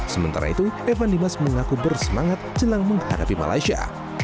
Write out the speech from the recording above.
sementara itu evan dimas mengaku bersemangat jelang menghadapi malaysia